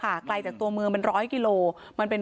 เพราะพ่อเชื่อกับจ้างหักข้าวโพด